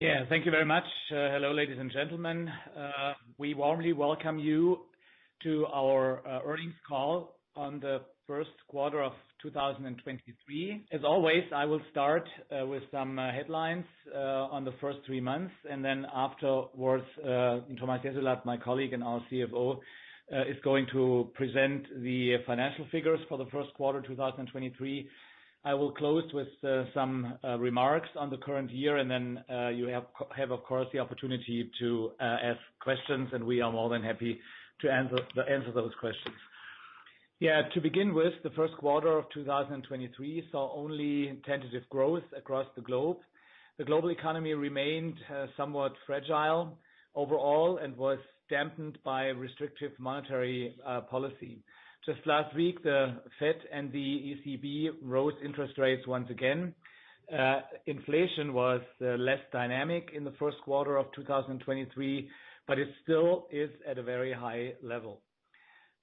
Thank you very much. Hello, ladies and gentlemen. We warmly welcome you to our earnings call on the first quarter of 2023. As always, I will start with some headlines on the first three months, and then afterwards, Thomas Jessulat, my colleague and our CFO, is going to present the financial figures for the first quarter, 2023. I will close with some remarks on the current year and then you have, of course, the opportunity to ask questions, and we are more than happy to answer those questions. To begin with, the first quarter of 2023 saw only tentative growth across the globe. The global economy remained somewhat fragile overall and was dampened by restrictive monetary policy. Just last week, the Fed and the ECB rose interest rates once again. Inflation was less dynamic in the first quarter of 2023, but it still is at a very high level.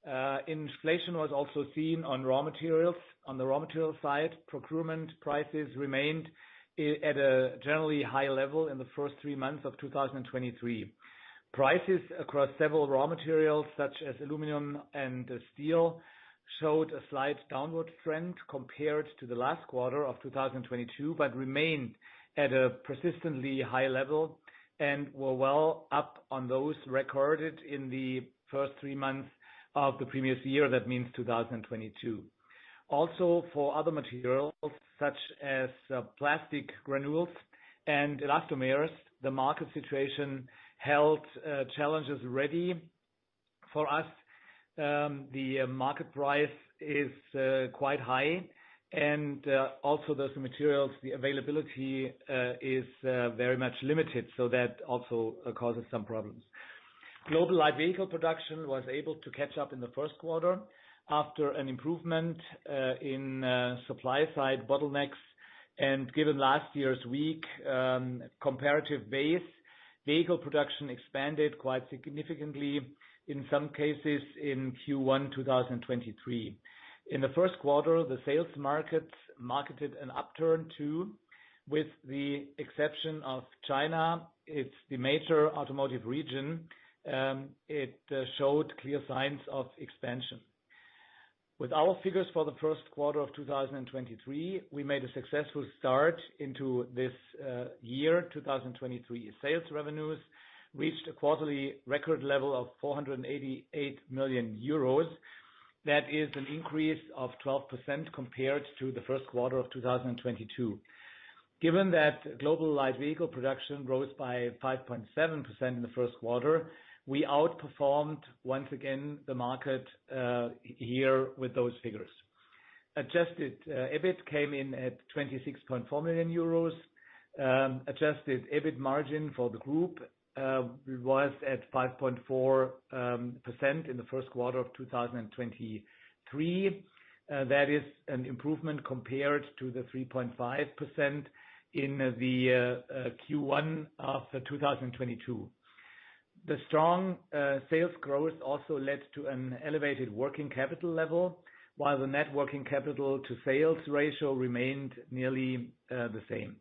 Inflation was also seen on raw materials. On the raw material side, procurement prices remained at a generally high level in the first 3 months of 2023. Prices across several raw materials, such as aluminum and steel, showed a slight downward trend compared to the last quarter of 2022, but remained at a persistently high level and were well up on those recorded in the first 3 months of the previous year. That means 2022. For other materials such as plastic granules and elastomers, the market situation held challenges ready for us. The market price is quite high, and also those materials, the availability, is very much limited, so that also causes some problems. Global light vehicle production was able to catch up in the first quarter after an improvement in supply-side bottlenecks. Given last year's weak comparative base, vehicle production expanded quite significantly in some cases in Q1 2023. In the first quarter, the sales markets marketed an upturn too, with the exception of China. It's the major automotive region, it showed clear signs of expansion. With our figures for the first quarter of 2023, we made a successful start into this year, 2023. Sales revenues reached a quarterly record level of 488 million euros. That is an increase of 12% compared to the first quarter of 2022. Given that global light vehicle production rose by 5.7% in the first quarter, we outperformed, once again, the market here with those figures. Adjusted EBIT came in at 26.4 million euros. Adjusted EBIT margin for the group was at 5.4% in the first quarter of 2023. That is an improvement compared to the 3.5% in the Q1 of 2022. The strong sales growth also led to an elevated working capital level, while the net working capital to sales ratio remained nearly the same.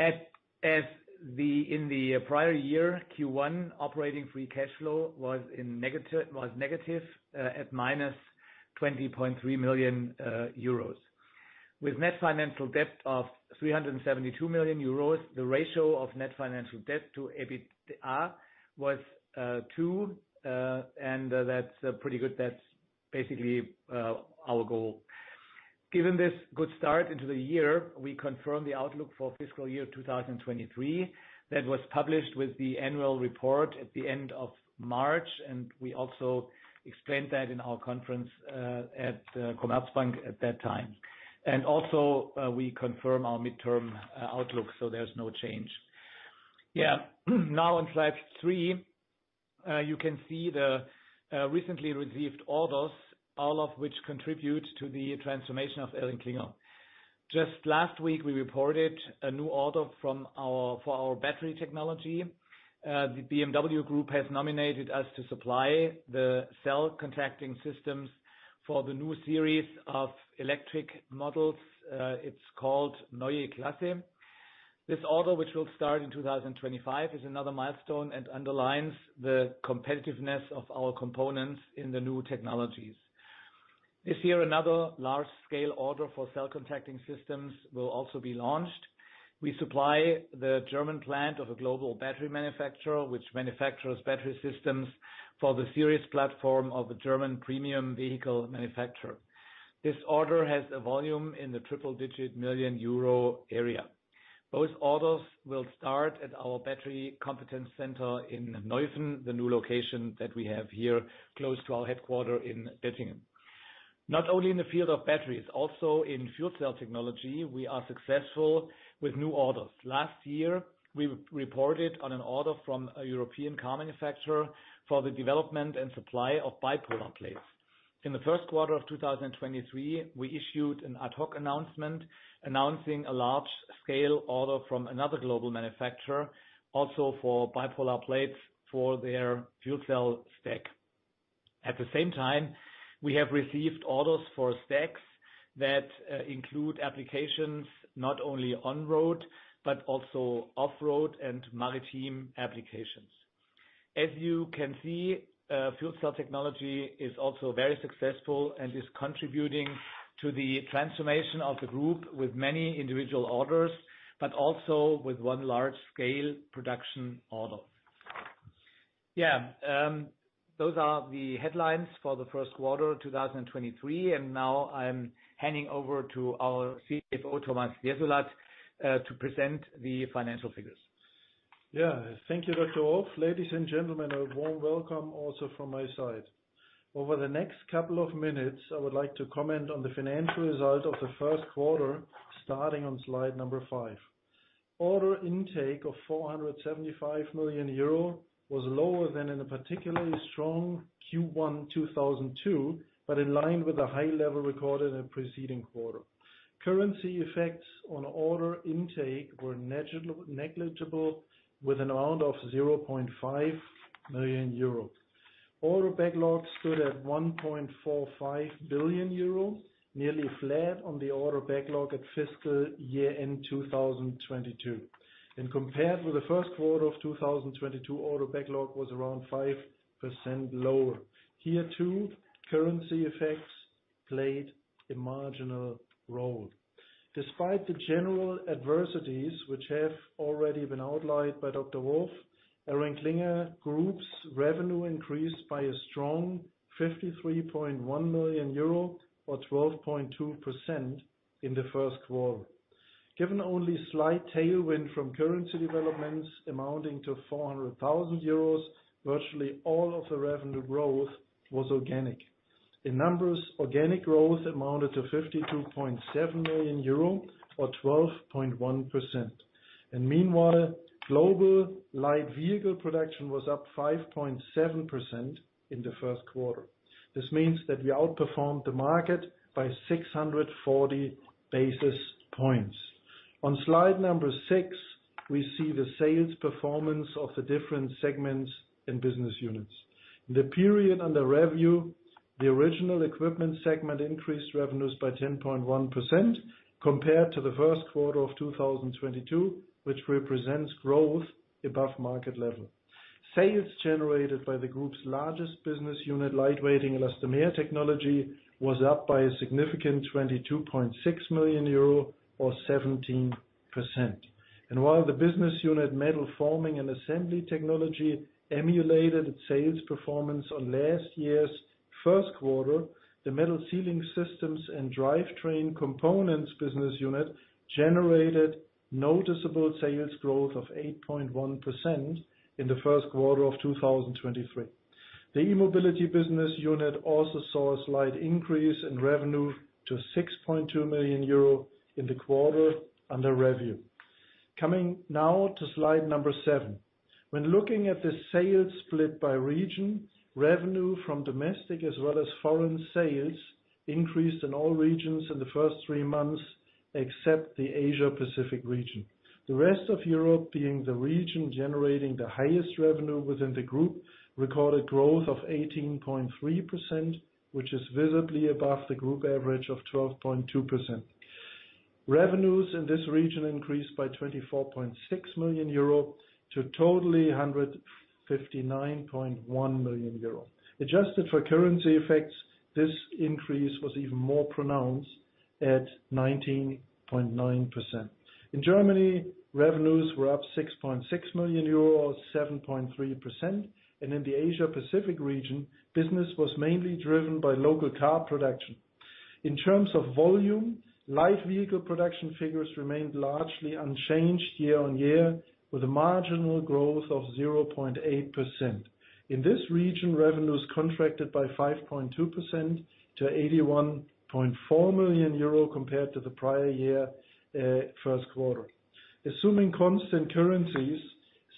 In the prior year, Q1 operating free cash flow was negative at minus 20.3 million euros. With net financial debt of 372 million euros, the ratio of net financial debt to EBITDA was 2, and that's pretty good. That's basically our goal. Given this good start into the year, we confirm the outlook for fiscal year 2023 that was published with the annual report at the end of March, we also explained that in our conference at Commerzbank at that time. We confirm our midterm outlook, so there's no change. On slide 3, you can see the recently received orders, all of which contribute to the transformation of ElringKlinger. Just last week, we reported a new order from our, for our battery technology. The BMW Group has nominated us to supply the cell contacting systems for the new series of electric models. It's called Neue Klasse. This order, which will start in 2025, is another milestone and underlines the competitiveness of our components in the new technologies. This year, another large-scale order for cell contacting systems will also be launched. We supply the German plant of a global battery manufacturer, which manufactures battery systems for the series platform of a German premium vehicle manufacturer. This order has a volume in the triple-digit million EUR area. Both orders will start at our battery competence center in Neuffen, the new location that we have here, close to our headquarter in Dettingen. Not only in the field of batteries, also in fuel cell technology, we are successful with new orders. Last year, we reported on an order from a European car manufacturer for the development and supply of bipolar plates. In the first quarter of 2023, we issued an ad hoc announcement announcing a large-scale order from another global manufacturer also for bipolar plates for their fuel cell stack. At the same time, we have received orders for stacks that include applications not only on-road, but also off-road and maritime applications. As you can see, fuel cell technology is also very successful and is contributing to the transformation of the group with many individual orders, but also with one large-scale production order. Yeah. Those are the headlines for the first quarter 2023, and now I'm handing over to our CFO, Thomas Jessulat, to present the financial figures. Yeah. Thank you, Dr. Wolf. Ladies and gentlemen, a warm welcome also from my side. Over the next couple of minutes, I would like to comment on the financial result of the first quarter, starting on slide number 5. Order intake of 475 million euro was lower than in a particularly strong Q1 2002, but in line with the high level recorded in the preceding quarter. Currency effects on order intake were negligible with an amount of 0.5 million euro. Order backlog stood at 1.45 billion euro, nearly flat on the order backlog at fiscal year end 2022. Compared with the first quarter of 2022, order backlog was around 5% lower. Here, too, currency effects played a marginal role. Despite the general adversities which have already been outlined by Dr. Wolf, ElringKlinger Group's revenue increased by a strong 53.1 million euro or 12.2% in the first quarter. Given only slight tailwind from currency developments amounting to 400,000 euros, virtually all of the revenue growth was organic. In numbers, organic growth amounted to 52.7 million euro or 12.1%. Meanwhile, global light vehicle production was up 5.7% in the first quarter. This means that we outperformed the market by 640 basis points. On slide number 6, we see the sales performance of the different segments and business units. In the period under review, the original equipment segment increased revenues by 10.1% compared to the first quarter of 2022, which represents growth above market level. Sales generated by the group's largest business unit, Lightweighting/Elastomer Technology, was up by a significant 22.6 million euro or 17%. While the business unit, Metal Forming & Assembly Technology, emulated its sales performance on last year's first quarter, the Metal Sealing Systems & Drivetrain Components business unit generated noticeable sales growth of 8.1% in the first quarter of 2023. The E-Mobility business unit also saw a slight increase in revenue to 6.2 million euro in the quarter under review. Coming now to slide number 7. When looking at the sales split by region, revenue from domestic as well as foreign sales increased in all regions in the first three months, except the Asia-Pacific region. The rest of Europe, being the region generating the highest revenue within the group, recorded growth of 18.3%, which is visibly above the group average of 12.2%. Revenues in this region increased by 24.6 million euro to totally 159.1 million euro. Adjusted for currency effects, this increase was even more pronounced at 19.9%. In Germany, revenues were up 6.6 million euros or 7.3%, and in the Asia-Pacific region, business was mainly driven by local car production. In terms of volume, light vehicle production figures remained largely unchanged year on year with a marginal growth of 0.8%. In this region, revenues contracted by 5.2% to 81.4 million euro compared to the prior year, first quarter. Assuming constant currencies,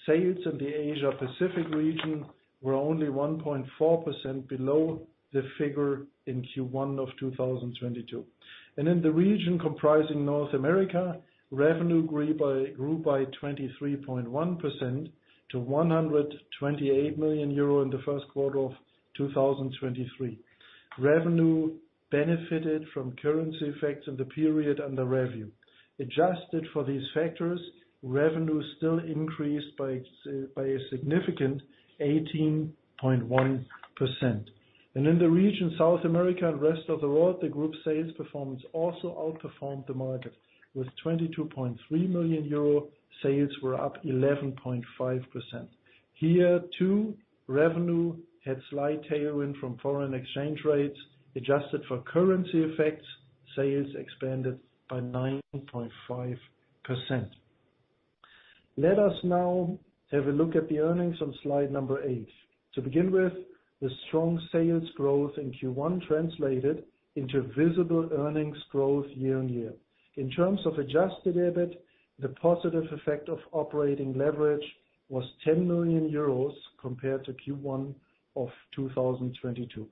sales in the Asia-Pacific region were only 1.4% below the figure in Q1 of 2022. In the region comprising North America, revenue grew by 23.1% to 128 million euro in the first quarter of 2023. Revenue benefited from currency effects in the period under review. Adjusted for these factors, revenue still increased by a significant 18.1%. In the region South America and rest of the world, the group sales performance also outperformed the market. With 22.3 million euro, sales were up 11.5%. Here, too, revenue had slight tailwind from foreign exchange rates. Adjusted for currency effects, sales expanded by 9.5%. Let us now have a look at the earnings on slide number 8. To begin with, the strong sales growth in Q1 translated into visible earnings growth year on year. In terms of adjusted EBIT, the positive effect of operating leverage was 10 million euros compared to Q1 of 2022.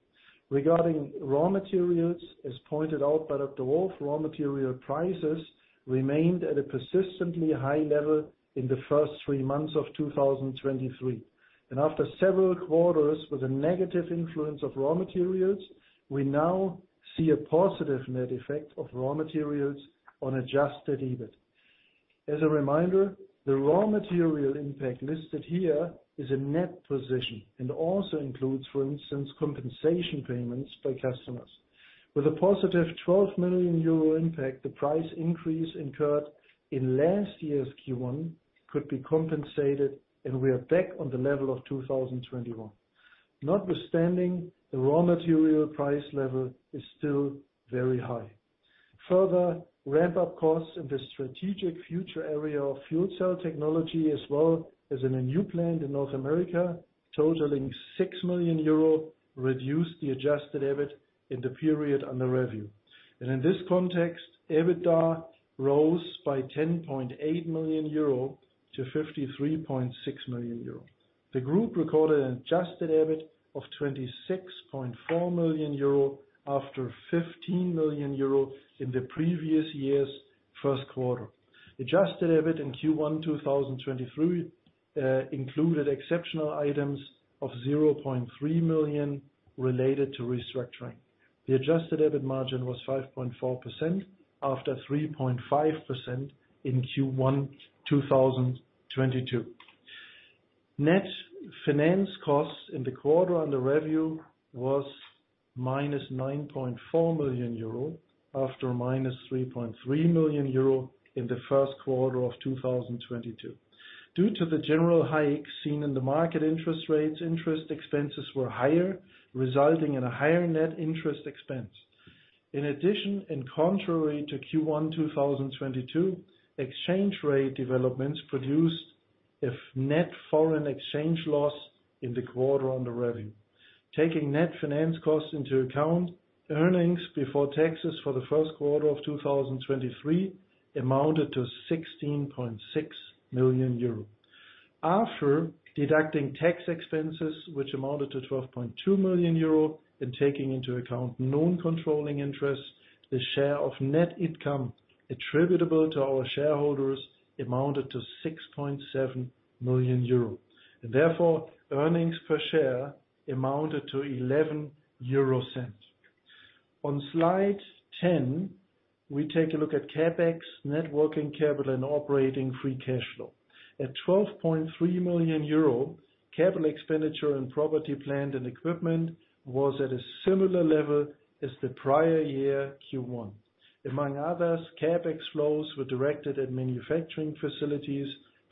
Regarding raw materials, as pointed out by Dr. Wolf, raw material prices remained at a persistently high level in the first 3 months of 2023. After several quarters with a negative influence of raw materials, we now see a positive net effect of raw materials on adjusted EBIT. As a reminder, the raw material impact listed here is a net position and also includes, for instance, compensation payments by customers. With a positive 12 million euro impact, the price increase incurred in last year's Q1 could be compensated, and we are back on the level of 2021. Notwithstanding, the raw material price level is still very high. Further ramp-up costs in the strategic future area of fuel cell technology as well as in a new plant in North America, totaling 6 million euro, reduced the adjusted EBIT in the period under review. In this context, EBITDA rose by 10.8 million euro to 53.6 million euro. The group recorded an adjusted EBIT of 26.4 million euro after 15 million euro in the previous year's first quarter. Adjusted EBIT in Q1 2023 included exceptional items of 0.3 million related to restructuring. The adjusted EBIT margin was 5.4% after 3.5% in Q1 2022. Net finance costs in the quarter under review was minus 9.4 million euro, after minus 3.3 million euro in the first quarter of 2022. Due to the general hike seen in the market interest rates, interest expenses were higher, resulting in a higher net interest expense. In addition, contrary to Q1 2022, exchange rate developments produced a net foreign exchange loss in the quarter under review. Taking net finance costs into account, earnings before taxes for the first quarter of 2023 amounted to 16.6 million euro. After deducting tax expenses, which amounted to 12.2 million euro and taking into account non-controlling interests, the share of net income attributable to our shareholders amounted to 6.7 million euro. Therefore, earnings per share amounted to 0.11. On slide 10, we take a look at CapEx, net working capital and operating free cash flow. At 12.3 million euro, capital expenditure and property, plant, and equipment was at a similar level as the prior year Q1. Among others, CapEx flows were directed at manufacturing facilities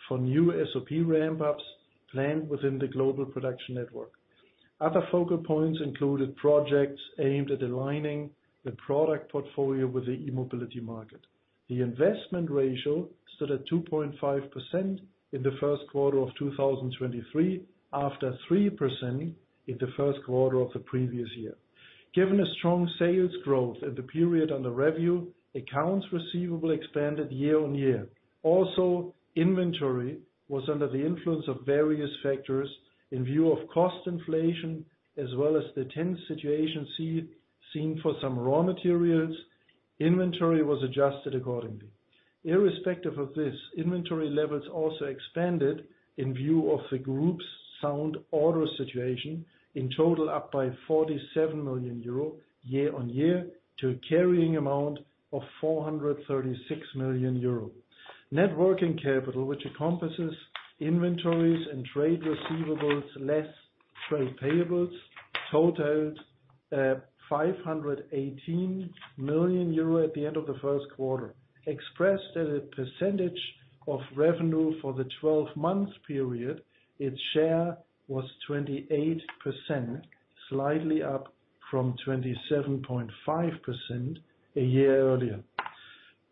for new SOP ramp-ups planned within the global production network. Other focal points included projects aimed at aligning the product portfolio with the E-Mobility market. The investment ratio stood at 2.5% in the first quarter of 2023, after 3% in the first quarter of the previous year. Given a strong sales growth in the period under review, accounts receivable expanded year-on-year. Also, inventory was under the influence of various factors. In view of cost inflation as well as the tense situation seen for some raw materials, inventory was adjusted accordingly. Irrespective of this, inventory levels also expanded in view of the group's sound order situation, in total up by 47 million euro year-on-year to a carrying amount of 436 million euro. Net working capital, which encompasses inventories and trade receivables less trade payables, totaled 518 million euro at the end of the first quarter. Expressed as a percentage of revenue for the 12 months period, its share was 28%, slightly up from 27.5% a year earlier.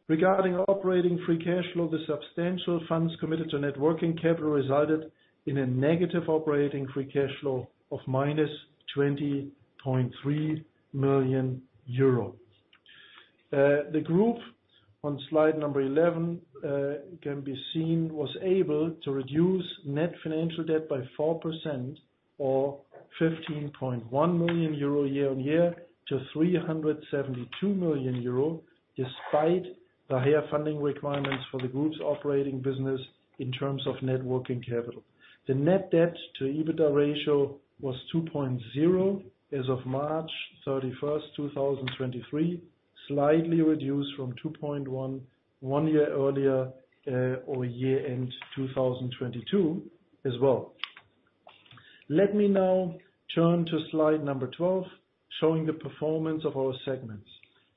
Regarding operating free cash flow, the substantial funds committed to net working capital resulted in a negative operating free cash flow of -20.3 million euro. The group, on slide 11, can be seen, was able to reduce net financial debt by 4% or 15.1 million euro year-on-year to 372 million euro, despite the higher funding requirements for the group's operating business in terms of net working capital. The net debt to EBITDA ratio was 2.0 as of March 31, 2023, slightly reduced from 2.11 year earlier, or year-end 2022 as well. Let me now turn to slide 12, showing the performance of our segments.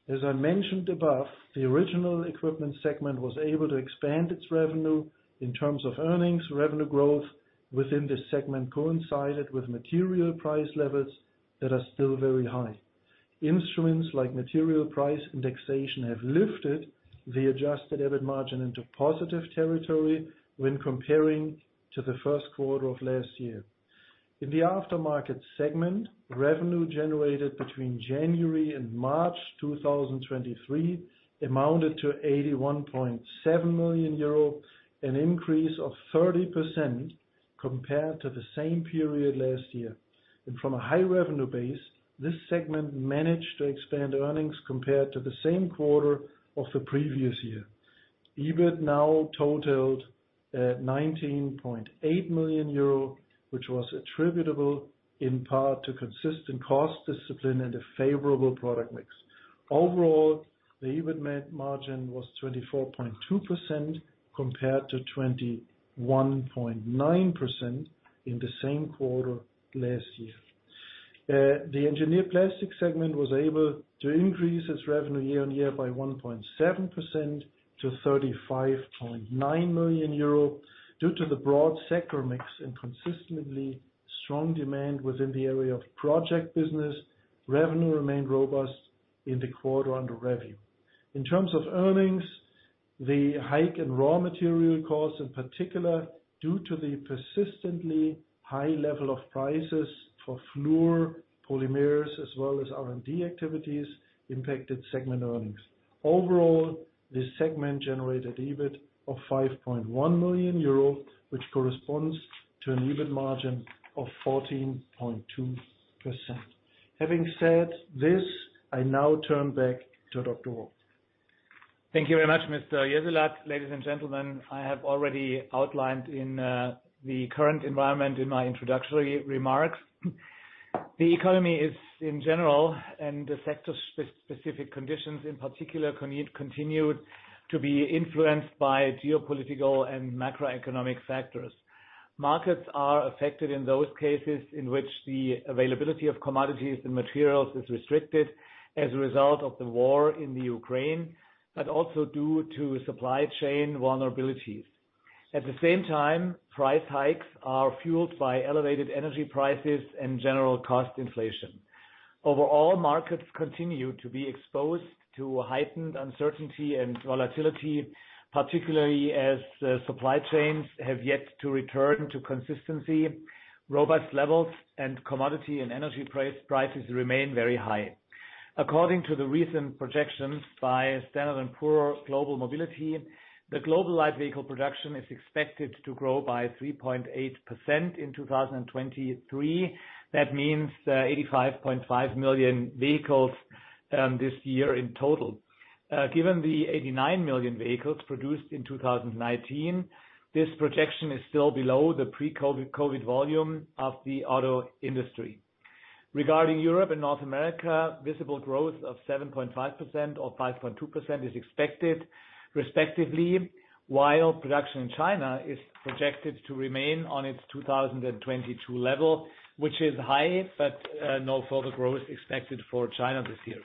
As I mentioned above, the original equipment segment was able to expand its revenue. In terms of earnings, revenue growth within this segment coincided with material price levels that are still very high. Instruments like material price indexation have lifted the adjusted EBIT margin into positive territory when comparing to the first quarter of last year. In the aftermarket segment, revenue generated between January and March 2023 amounted to 81.7 million euro, an increase of 30% compared to the same period last year. From a high revenue base, this segment managed to expand earnings compared to the same quarter of the previous year. EBIT now totaled 19.8 million euro, which was attributable in part to consistent cost discipline and a favorable product mix. Overall, the EBIT margin was 24.2% compared to 21.9% in the same quarter last year. The engineered plastics segment was able to increase its revenue year-on-year by 1.7% to 35.9 million euro. Due to the broad sector mix and consistently strong demand within the area of project business, revenue remained robust in the quarter under review. In terms of earnings, the hike in raw material costs, in particular, due to the persistently high level of prices for fluoropolymers as well as R&D activities impacted segment earnings. Overall, this segment generated EBIT of 5.1 million euro, which corresponds to an EBIT margin of 14.2%. Having said this, I now turn back to Dr. Wolf. Thank you very much, Mr. Jessulat. Ladies and gentlemen, I have already outlined in the current environment in my introductory remarks. The economy is in general, and the sector specific conditions in particular continued to be influenced by geopolitical and macroeconomic factors. Markets are affected in those cases in which the availability of commodities and materials is restricted as a result of the war in Ukraine, but also due to supply chain vulnerabilities. At the same time, price hikes are fueled by elevated energy prices and general cost inflation. Overall, markets continue to be exposed to heightened uncertainty and volatility, particularly as supply chains have yet to return to consistency. Robust levels and commodity and energy prices remain very high. According to the recent projections by S&P Global Mobility, the global light vehicle production is expected to grow by 3.8% in 2023. That means 85.5 million vehicles this year in total. Given the 89 million vehicles produced in 2019, this projection is still below the pre-COVID, COVID volume of the auto industry. Regarding Europe and North America, visible growth of 7.5% or 5.2% is expected respectively, while production in China is projected to remain on its 2022 level, which is high, no further growth expected for China this year.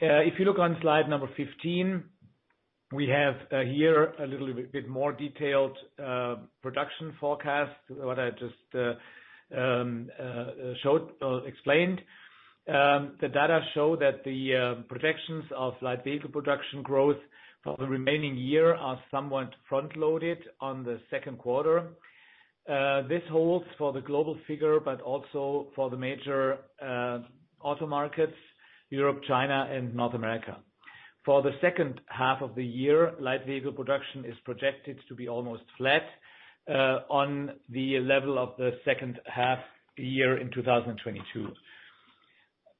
If you look on slide number 15, we have here a little bit more detailed production forecast, what I just showed or explained. The data show that the projections of light vehicle production growth for the remaining year are somewhat front-loaded on the second quarter. This holds for the global figure, but also for the major auto markets, Europe, China, and North America. For the second half of the year, light vehicle production is projected to be almost flat on the level of the second half year in 2022.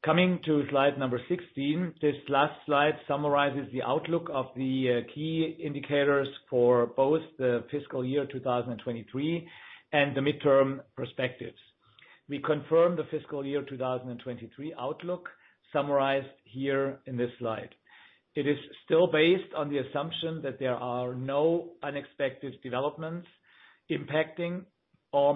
Coming to slide number 16. This last slide summarizes the outlook of the key indicators for both the fiscal year 2023 and the midterm perspectives. We confirm the fiscal year 2023 outlook summarized here in this slide. It is still based on the assumption that there are no unexpected developments impacting our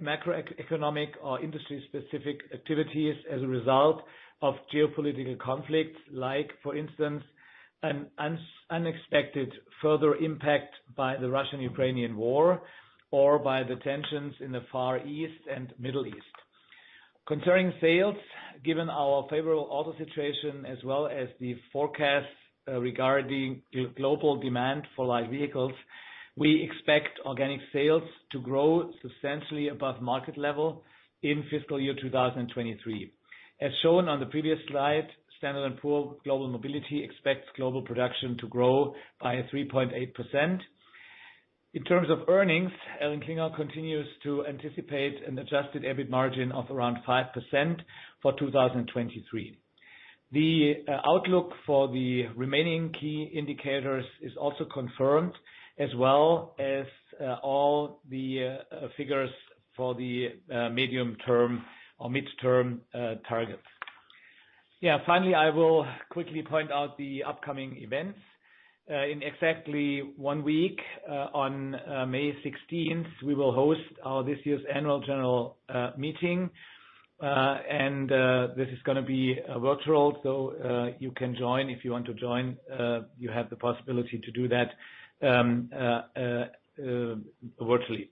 macroeconomic or industry-specific activities as a result of geopolitical conflicts, like for instance, an unexpected further impact by the Russian-Ukrainian War or by the tensions in the Far East and Middle East. Concerning sales, given our favorable auto situation, as well as the forecast, regarding global demand for light vehicles, we expect organic sales to grow substantially above market level in fiscal year 2023. As shown on the previous slide, S&P Global Mobility expects global production to grow by 3.8%. In terms of earnings, ElringKlinger continues to anticipate an adjusted EBIT margin of around 5% for 2023. The outlook for the remaining key indicators is also confirmed, as well as all the figures for the medium term or midterm targets. Finally, I will quickly point out the upcoming events. In exactly one week, on May 16th, we will host our this year's annual general meeting. This is gonna be virtual, so you can join if you want to join. You have the possibility to do that virtually.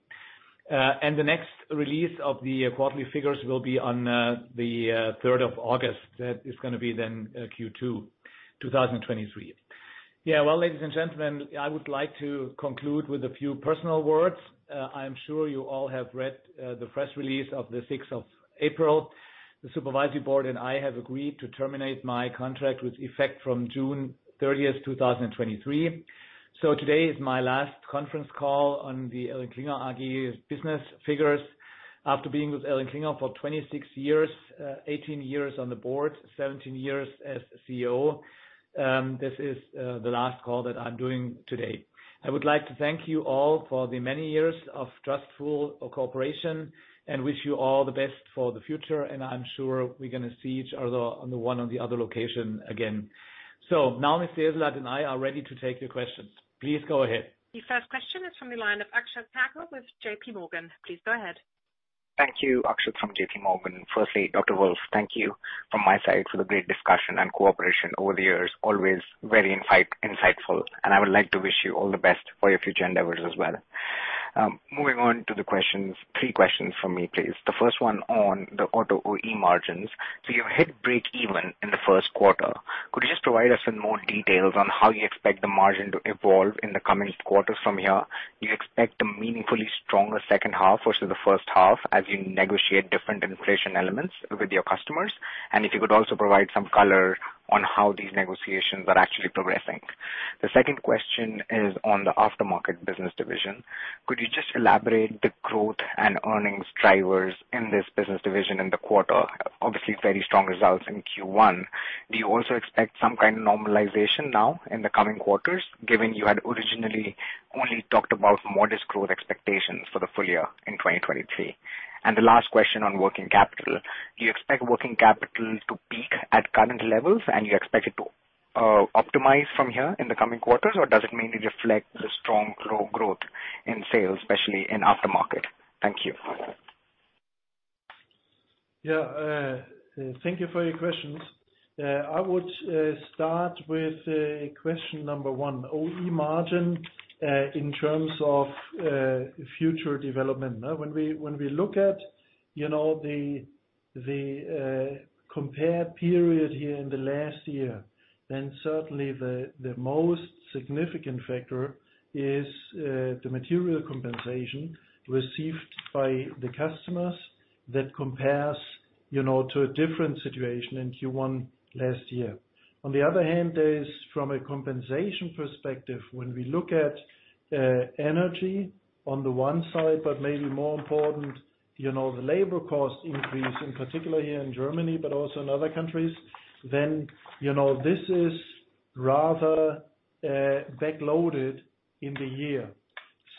The next release of the quarterly figures will be on the third of August. That is gonna be then Q2 2023. Ladies and gentlemen, I would like to conclude with a few personal words. I am sure you all have read the press release of the sixth of April. The supervisory board and I have agreed to terminate my contract with effect from June 30, 2023. Today is my last conference call on the ElringKlinger AG business figures. After being with ElringKlinger for 26 years, 18 years on the board, 17 years as CEO, this is the last call that I'm doing today. I would like to thank you all for the many years of trustful cooperation and wish you all the best for the future. I'm sure we're gonna see each other on the one or the other location again. Now Mr. Jessulat and I are ready to take your questions. Please go ahead. The first question is from the line of Akshat Kacker with JPMorgan. Please go ahead. Thank you. Akshat from J.P. Morgan. Firstly, Dr. Wolf, thank you from my side for the great discussion and cooperation over the years. Always very insightful, I would like to wish you all the best for your future endeavors as well. Moving on to the questions, 3 questions from me, please. The 1st one on the auto OE margins. You hit breakeven in the 1st quarter. Could you just provide us some more details on how you expect the margin to evolve in the coming quarters from here? You expect a meaningfully stronger 2nd half versus the 1st half as you negotiate different inflation elements with your customers? If you could also provide some color on how these negotiations are actually progressing. The 2nd question is on the aftermarket business division. Could you just elaborate the growth and earnings drivers in this business division in the quarter? Obviously, very strong results in Q1. Do you also expect some kind of normalization now in the coming quarters, given you had originally only talked about modest growth expectations for the full year in 2023? The last question on working capital: do you expect working capital to peak at current levels and you expect it to optimize from here in the coming quarters, or does it mainly reflect the strong growth in sales, especially in aftermarket? Thank you. Thank you for your questions. I would start with question number 1, OE margin, in terms of future development. When we look at, you know, the compare period here in the last year, then certainly the most significant factor is the material compensation received by the customers that compares, you know, to a different situation in Q1 last year. There is from a compensation perspective, when we look at energy on the one side, but maybe more important, you know, the labor cost increase, in particular here in Germany, but also in other countries, then, you know, this is rather back-loaded in the year.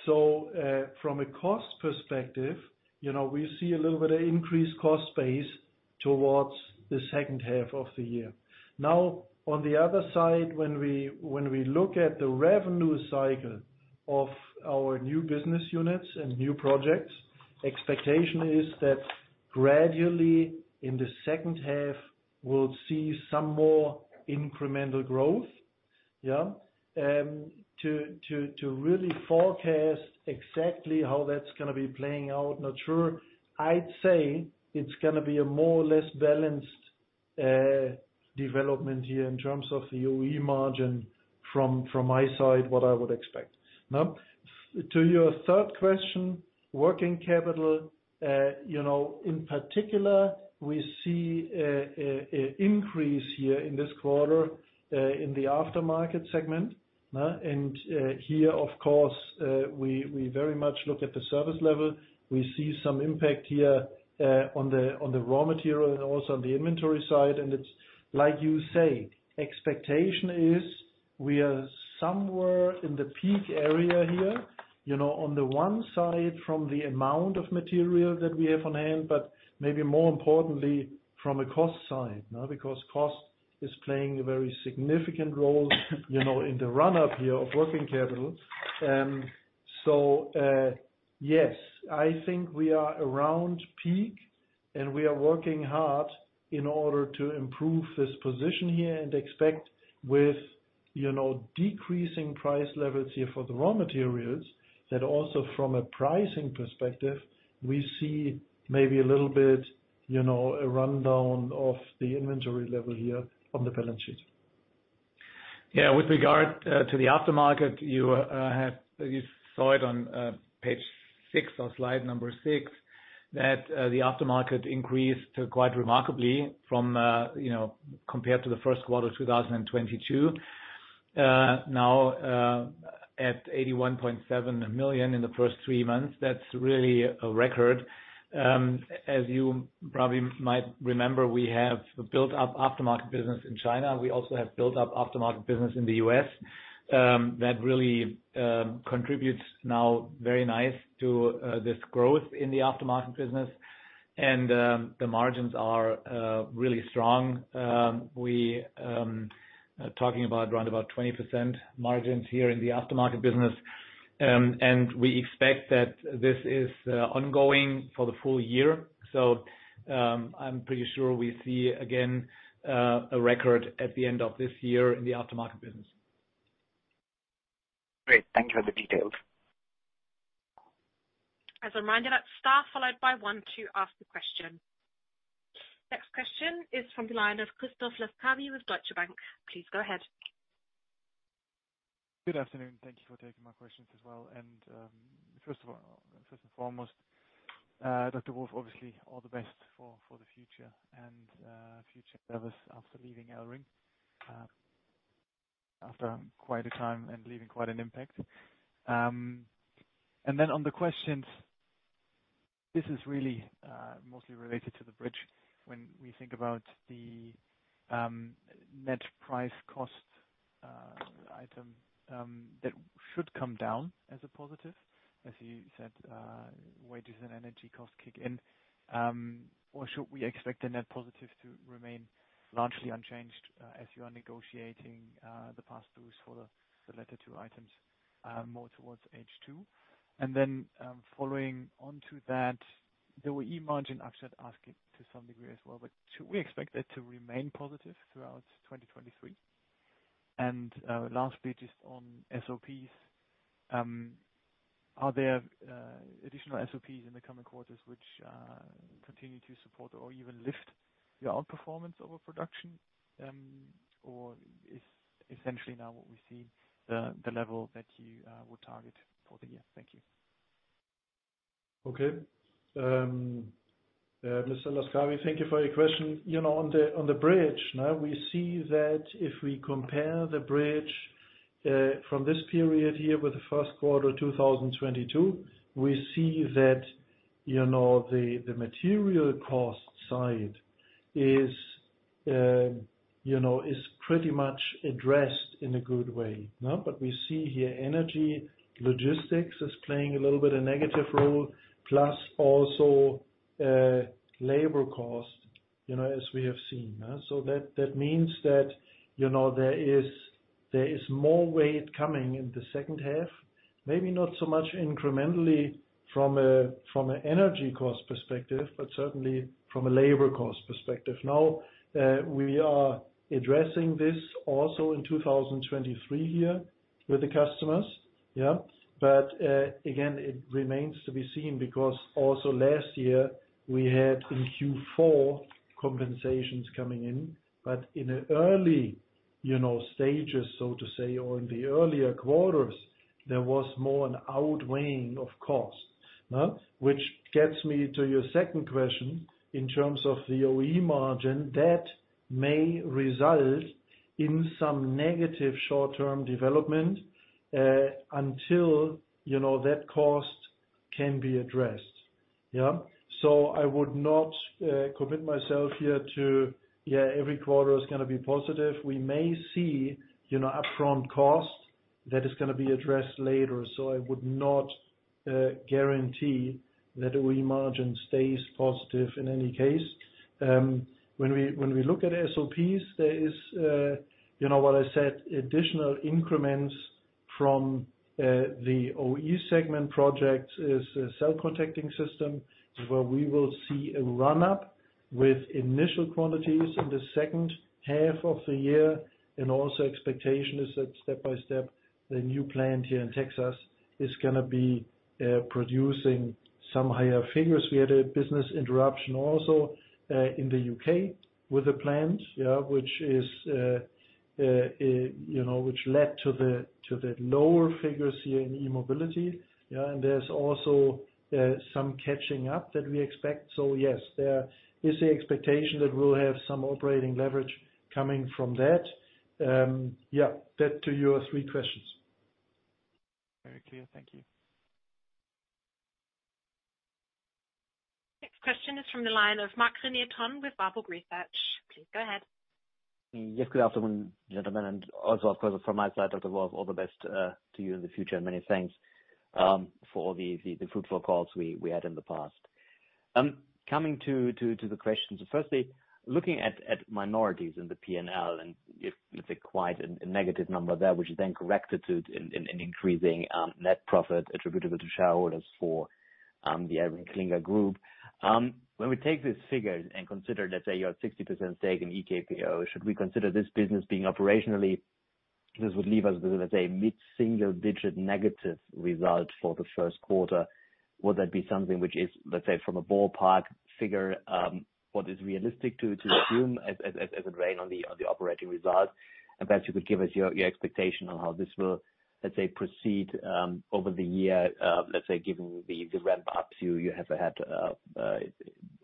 From a cost perspective, you know, we see a little bit of increased cost space towards the second half of the year. On the other side, when we look at the revenue cycle of our new business units and new projects, expectation is that gradually in the second half, we'll see some more incremental growth. Yeah. To really forecast exactly how that's gonna be playing out, not sure. I'd say it's gonna be a more or less balanced development here in terms of the OE margin from my side, what I would expect. To your third question, working capital, you know, in particular, we see an increase here in this quarter in the aftermarket segment. Here, of course, we very much look at the service level. We see some impact here on the raw material and also on the inventory side. Like you say, expectation is we are somewhere in the peak area here, you know, on the one side from the amount of material that we have on hand, but maybe more importantly from a cost side, now because cost is playing a very significant role, you know, in the run-up here of working capital. Yes, I think we are around peak. We are working hard in order to improve this position here and expect with, you know, decreasing price levels here for the raw materials, that also from a pricing perspective, we see maybe a little bit, you know, a rundown of the inventory level here on the balance sheet. With regard to the aftermarket, you saw it on page 6 or slide number 6, that the aftermarket increased quite remarkably from, you know, compared to the first quarter of 2022. Now, at 81.7 million in the first three months, that's really a record. As you probably might remember, we have built up aftermarket business in China. We also have built up aftermarket business in the U.S., that really contributes now very nice to this growth in the aftermarket business. The margins are really strong. We are talking about around about 20% margins here in the aftermarket business. We expect that this is ongoing for the full year. I'm pretty sure we see again, a record at the end of this year in the aftermarket business. Great. Thank you for the details. As a reminder, that's star followed by one to ask the question. Next question is from the line of Christoph Laskawi with Deutsche Bank. Please go ahead. Good afternoon. Thank you for taking my questions as well. First and foremost, Dr. Wolf, obviously all the best for the future and future endeavors after leaving ElringKlinger, after quite a time and leaving quite an impact. On the questions, this is really mostly related to the bridge. When we think about the net price cost item, that should come down as a positive, as you said, wages and energy costs kick in. Or should we expect the net positive to remain largely unchanged, as you are negotiating the pass-throughs for the latter two items, more towards H2? Following on to that, the OE margin, I should ask it to some degree as well, but should we expect that to remain positive throughout 2023? Lastly, just on SOPs, are there additional SOPs in the coming quarters which continue to support or even lift your outperformance over production, or is essentially now what we see the level that you would target for the year? Thank you. Okay. Mr. Laskawi, thank you for your question. You know, on the bridge, now we see that if we compare the bridge from this period here with the first quarter 2022, we see that, you know, the material cost side is, you know, is pretty much addressed in a good way. We see here energy, logistics is playing a little bit a negative role, plus also labor cost, you know, as we have seen. That means that, you know, there is more weight coming in the second half, maybe not so much incrementally from a energy cost perspective, but certainly from a labor cost perspective. Now, we are addressing this also in 2023 here with the customers, yeah. Again, it remains to be seen because also last year we had in Q4 compensations coming in. In the early, you know, stages, so to say, or in the earlier quarters, there was more an outweighing of costs. No? Which gets me to your second question in terms of the OE margin, that may result in some negative short-term development until, you know, that cost can be addressed. Yeah. I would not commit myself here to, yeah, every quarter is gonna be positive. We may see, you know, upfront cost that is gonna be addressed later. I would not guarantee that OE margin stays positive in any case. When we look at SOPs, there is, you know, what I said, additional increments from the OE segment projects is a cell contacting system, where we will see a run-up with initial quantities in the second half of the year. Also expectation is that step-by-step, the new plant here in Texas is gonna be producing some higher figures. We had a business interruption also, in the UK with the plant, which is, you know, which led to the, to the lower figures here in E-Mobility. There's also, some catching up that we expect. Yes, there is the expectation that we'll have some operating leverage coming from that. That to your three questions. Very clear. Thank you. Next question is from the line of Maximilian Tonn with Baader Bank Research. Please go ahead. Yes, good afternoon, gentlemen, and also, of course, from my side, Dr. Wolf, all the best to you in the future, and many thanks for the fruitful calls we had in the past. Coming to the questions. Firstly, looking at minorities in the P&L, and if it's a quite a negative number there, which is then corrected to in increasing net profit attributable to shareholders for the ElringKlinger Group. When we take this figure and consider, let's say, your 60% stake in EKPO, should we consider this business being operationally... This would leave us with, let's say, mid-single digit negative result for the first quarter. Would that be something which is, let's say, from a ballpark figure, what is realistic to assume as a drain on the operating results? Perhaps you could give us your expectation on how this will, let's say, proceed over the year, let's say, given the ramp-ups you have had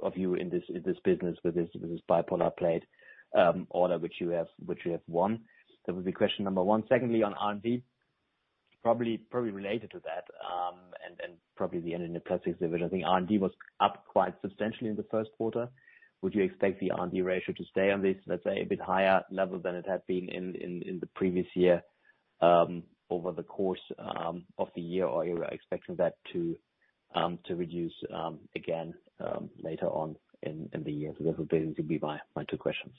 of you in this business with this bipolar plate order which you have won. That would be question number one. Secondly, on R&D, probably related to that, and probably the end in the plastics division. I think R&D was up quite substantially in the first quarter. Would you expect the R&D ratio to stay on this, let's say, a bit higher level than it had been in the previous year over the course of the year? Or are you expecting that to reduce again later on in the year? Those would be my two questions.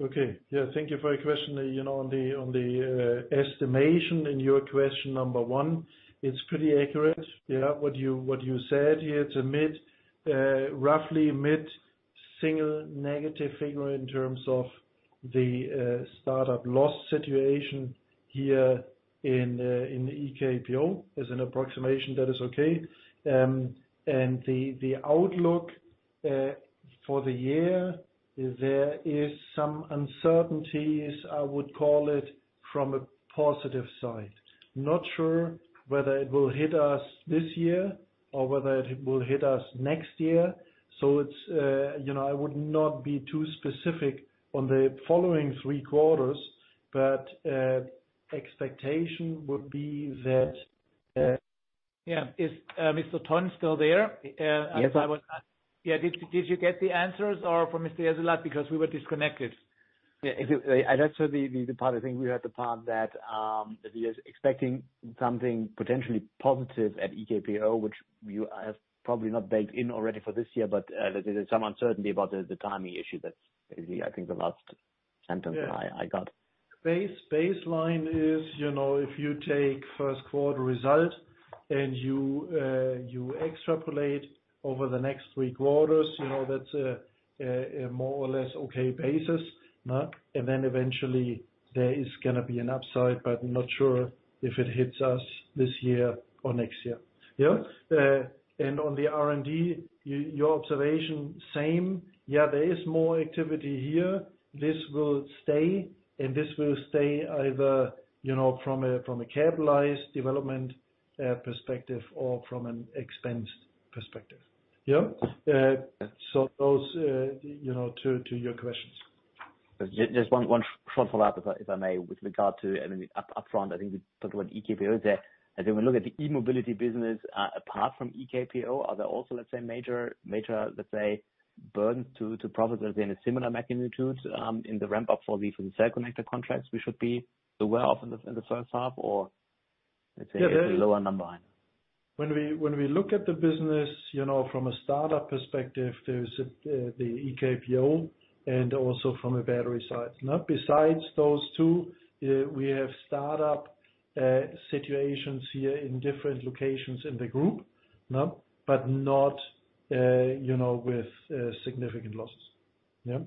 Okay. Yeah. Thank you for your question. You know, on the, on the estimation in your question number one, it's pretty accurate, yeah, what you said. It's a mid, roughly mid-single negative figure in terms of the startup loss situation here in the EKPO is an approximation that is okay. The outlook for the year, there is some uncertainties, I would call it, from a positive side. Not sure whether it will hit us this year or whether it will hit us next year. It's, you know, I would not be too specific on the following three quarters, but expectation would be that. Yeah. Is Mr. Ton still there? Yes. Did you get the answers or from Mr. Jessulat? Because we were disconnected. Yeah. I got to the part, I think we were at the part that he is expecting something potentially positive at EKPO, which you have probably not baked in already for this year. There's some uncertainty about the timing issue that is, I think, the last sentence I got. Baseline is, you know, if you take first quarter results and you extrapolate over the next three quarters, you know, that's a more or less okay basis. Eventually there is gonna be an upside, but not sure if it hits us this year or next year. Yeah. On the R&D, your observation, same. Yeah. There is more activity here. This will stay, this will stay either, you know, from a capitalized development perspective or from an expense perspective. Yeah. Those, you know, to your questions. Just one short follow-up, if I may, with regard to, I mean, upfront, I think we talked about EKPO there. As we look at the E-mobility business, apart from EKPO, are there also, let's say, major, let's say, burden to profit, let's say in a similar magnitude, in the ramp-up for the cell connector contracts? We should be well off in the first half, or let's say a lower number. When we look at the business, you know, from a startup perspective, there's the EKPO and also from a battery side. Besides those two, we have startup situations here in different locations in the group. No. Not, you know, with significant losses. Yeah.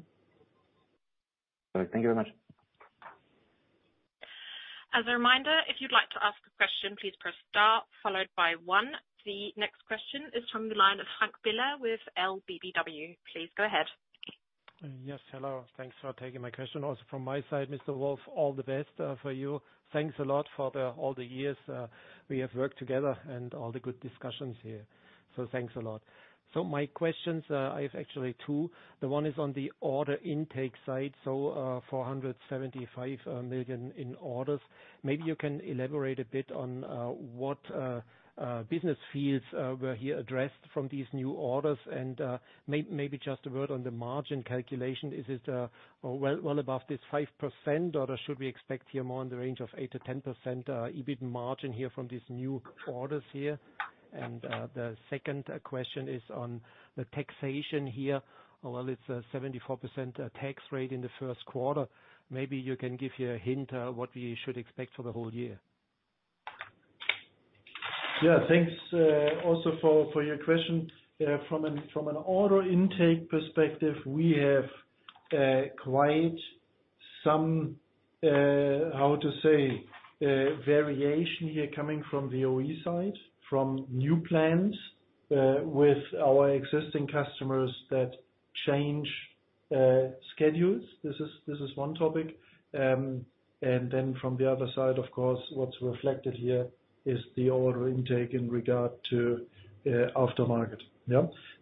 Thank you very much. As a reminder, if you'd like to ask a question, please press star followed by one. The next question is from the line of Frank Biller with LBBW. Please go ahead. Yes, hello. Thanks for taking my question. Also from my side, Mr. Wolf, all the best for you. Thanks a lot for the, all the years we have worked together and all the good discussions here. Thanks a lot. My questions is actually two. The one is on the order intake side. 475 million in orders. Maybe you can elaborate a bit on what business fields were here addressed from these new orders and maybe just a word on the margin calculation. Is it well, well above this 5%, or should we expect here more in the range of 8%-10% EBIT margin here from these new orders here? The second question is on the taxation here. Well, it's a 74% tax rate in the first quarter. Maybe you can give here a hint of what we should expect for the whole year? Yeah, thanks, also for your question. From an order intake perspective, we have quite some how to say variation here coming from the OE side, from new plans with our existing customers that change schedules. This is one topic. And then from the other side, of course, what's reflected here is the order intake in regard to aftermarket.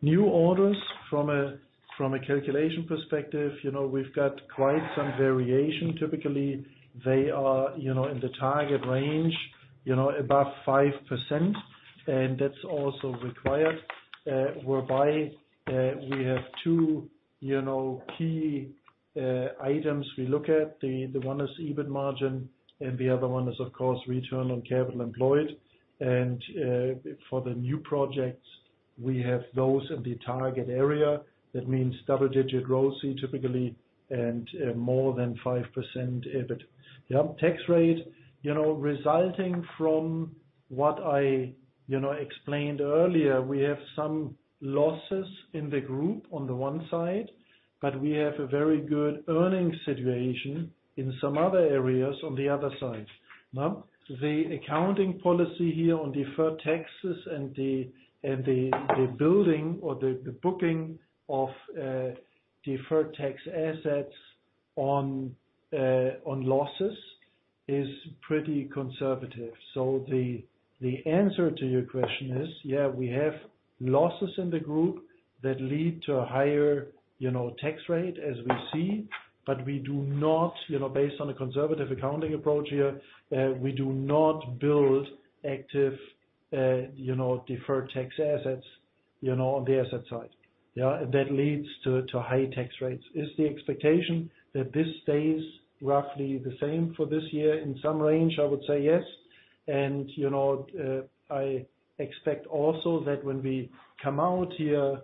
New orders from a calculation perspective, you know, we've got quite some variation. Typically, they are, you know, in the target range, you know, above 5%, and that's also required, whereby we have two, you know, key items we look at. The one is EBIT margin, and the other one is, of course, return on capital employed. And for the new projects, we have those in the target area. That means double-digit ROIC, typically, and more than 5% EBIT. Tax rate, you know, resulting from what I, you know, explained earlier, we have some losses in the group on the one side, but we have a very good earning situation in some other areas on the other side. The accounting policy here on deferred taxes and the building or the booking of deferred tax assets on losses is pretty conservative. The answer to your question is, we have losses in the group that lead to a higher, you know, tax rate as we see, but we do not, you know, based on a conservative accounting approach here, we do not build active, you know, deferred tax assets, you know, on the asset side. That leads to high tax rates. Is the expectation that this stays roughly the same for this year in some range? I would say yes. you know, I expect also that when we come out here,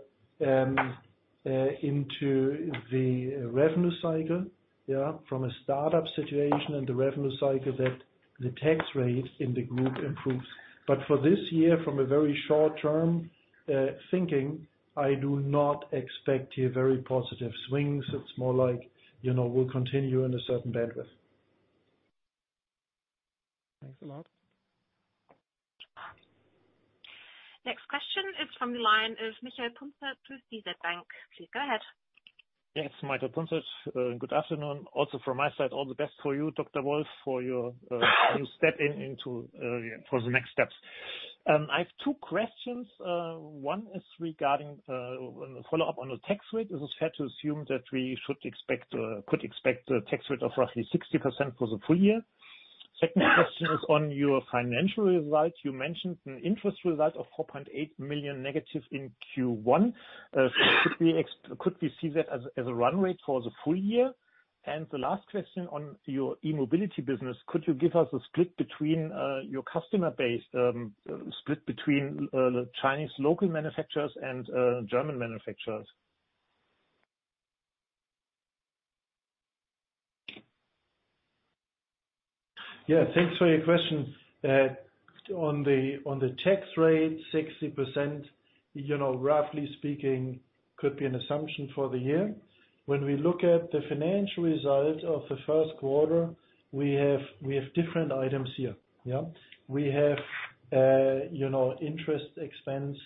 into the revenue cycle, yeah, from a start-up situation and the revenue cycle, that the tax rate in the Group improves. For this year, from a very short term, thinking, I do not expect here very positive swings. It's more like, you know, we'll continue in a certain bandwidth. Thanks a lot. Next question is from the line of Michael Punzet, DZ Bank. Please go ahead. Yes, Michael Punzet. Good afternoon. Also from my side, all the best for you, Dr. Wolf, for your step in, into for the next steps. I have two questions. One is regarding follow-up on the tax rate. Is it fair to assume that we should expect, could expect a tax rate of roughly 60% for the full year? Second question is on your financial results. You mentioned an interest result of 4.8 million negative in Q1. Could we see that as a run rate for the full year? The last question on your E-Mobility business, could you give us a split between your customer base, split between the Chinese local manufacturers and German manufacturers? Yeah. Thanks for your question. On the tax rate, 60%, you know, roughly speaking, could be an assumption for the year. When we look at the financial result of the first quarter, we have different items here. Yeah? We have, you know, interest expense,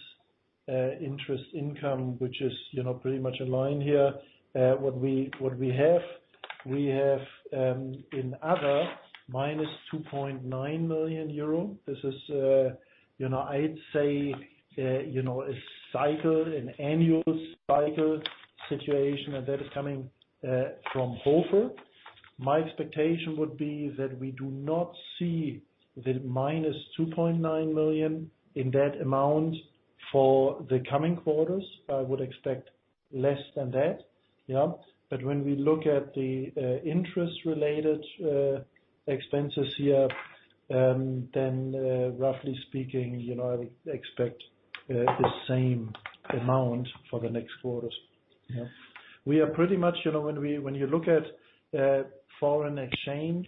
interest income, which is, you know, pretty much in line here. What we have, in other, minus 2.9 million euro. This is, you know, I'd say, you know, an annual cycle situation. That is coming from Hofer. My expectation would be that we do not see the minus 2.9 million in that amount for the coming quarters. I would expect less than that. Yeah. When we look at the interest-related expenses here, then roughly speaking, you know, I would expect the same amount for the next quarters. We are pretty much, you know, when you look at foreign exchange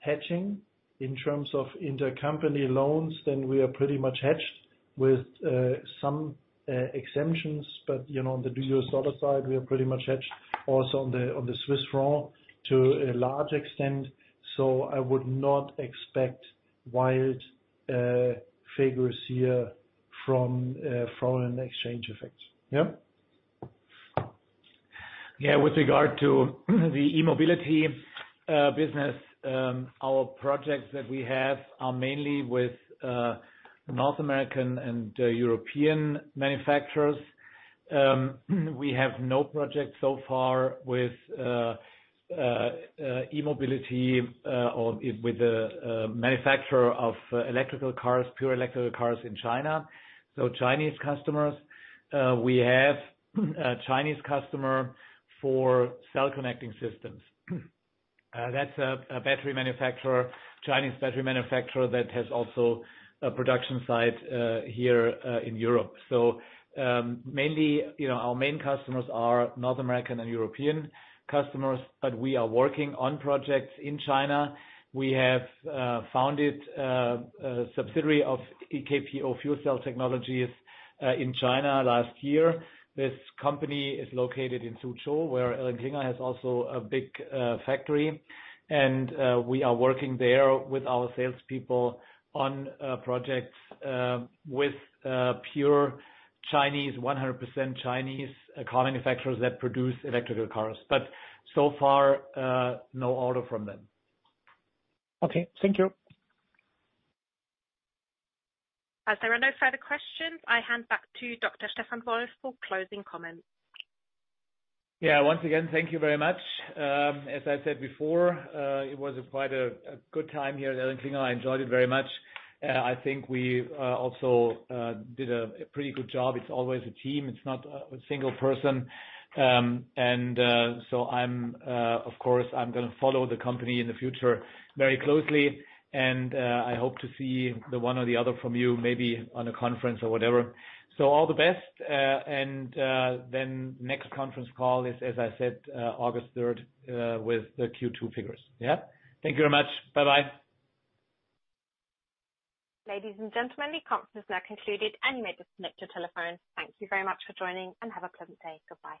hedging in terms of intercompany loans, then we are pretty much hedged with some exemptions. You know, on the U.S. dollar side, we are pretty much hedged also on the Swiss franc to a large extent. I would not expect wild figures here from foreign exchange effects. With regard to the E-Mobility business, our projects that we have are mainly with North American and European manufacturers. We have no project so far with E-Mobility or with the manufacturer of electrical cars, pure electrical cars in China. Chinese customers, we have a Chinese customer for cell contacting systems. That's a battery manufacturer, Chinese battery manufacturer that has also a production site here in Europe. Mainly, you know, our main customers are North American and European customers, but we are working on projects in China. We have founded a subsidiary of EKPO Fuel Cell Technologies in China last year. This company is located in Suzhou, where ElringKlinger has also a big factory. We are working there with our salespeople on projects with pure Chinese, 100% Chinese car manufacturers that produce electrical cars. So far, no order from them. Okay. Thank you. As there are no further questions, I hand back to Dr. Stefan Wolf for closing comments. Once again, thank you very much. As I said before, it was quite a good time here at ElringKlinger. I enjoyed it very much. I think we also did a pretty good job. It's always a team. It's not a single person. Of course, I'm gonna follow the company in the future very closely, and I hope to see the one or the other from you, maybe on a conference or whatever. All the best. And next conference call is, as I said, August third, with the Q2 figures. Thank you very much. Bye-bye. Ladies and gentlemen, the conference is now concluded and you may disconnect your telephones. Thank you very much for joining, and have a pleasant day. Goodbye.